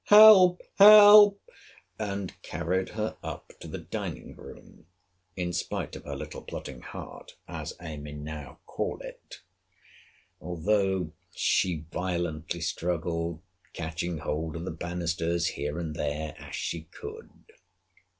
help! help! and carried her up to the dining room, in spite of her little plotting heart, (as I may now call it,) although she violently struggled, catching hold of the banisters here and there, as she could.